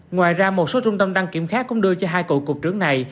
ngoài ra một số trung tâm đăng kiểm khác cũng đưa cho hai cậu cục trưởng này